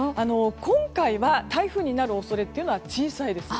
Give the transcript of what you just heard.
今回は台風になる恐れというのは小さいです。